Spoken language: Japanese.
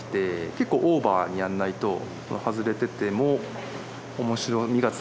結構オーバーにやんないと外れてても面白みが伝わんないんですよね。